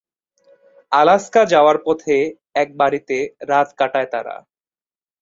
Alaska যাওয়ার পথে এক বাড়িতে রাত কাটায় তারা।